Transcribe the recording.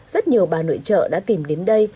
rất nhiều bà nội trợ đã tìm đến đây